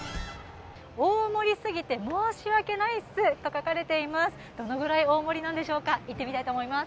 大盛すぎて申し訳ないッスと書かれています。